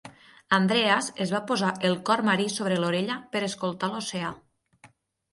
Andreas es va posar el corn marí sobre l'orella per escoltar l'oceà.